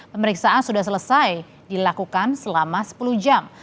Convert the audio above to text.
pemeriksaan sudah selesai dilakukan selama sepuluh jam